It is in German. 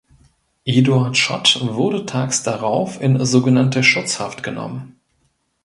Eduard Schott wurde tags drauf in sogenannte „Schutzhaft“ genommen.